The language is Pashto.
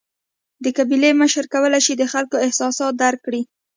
د قبیلې مشر کولای شي د خلکو احساسات درک کړي.